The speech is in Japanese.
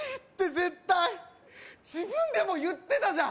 絶対自分でも言ってたじゃん